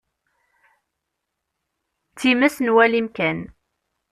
D times n walim kan.